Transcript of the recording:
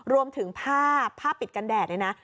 รวมถึงผ้าผ้าปิดกันแดดเนี่ยนะ